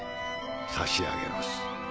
差し上げます。